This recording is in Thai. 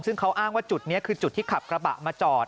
ซึ่งเขาอ้างว่าประมาณได้จดจุดที่ขับกระบะมาจอด